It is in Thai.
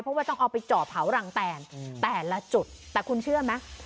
เพราะว่าต้องเอาไปเจาะเผารังแตนแต่ละจุดแต่คุณเชื่อไหม